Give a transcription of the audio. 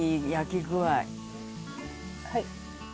はい。